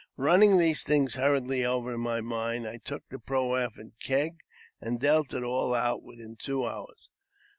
Running these things hurriedly over in my own mind, I took the proffered keg, and dealt it all out within two hours.